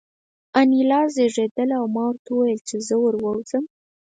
انیلا رېږېدله او ما ورته وویل چې زه ور ووځم